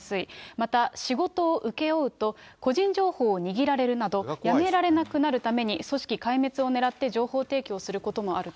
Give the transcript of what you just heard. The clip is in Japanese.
また、仕事を請け負うと、個人情報を握られるなど、辞められなくなるために、組織壊滅を狙って情報提供することもあると。